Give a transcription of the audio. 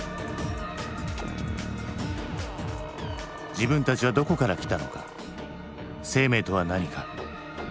自分たちはどこからきたのか生命とは何か。